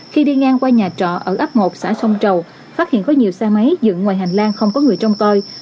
khi đi ngang qua nhà trọ ở ấp một xã sông trầu phát hiện có nhiều xe máy dựng ngoài hành lang không có người trông coi